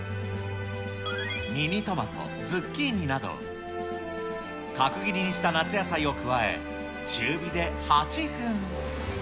ミニトマト、ズッキーニなど、角切りにした夏野菜を加え、中火で８分。